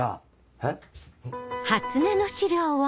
えっ？